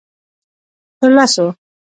_تر لسو.